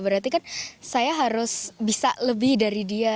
berarti kan saya harus bisa lebih dari dia